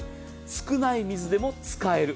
少ない水でも使える。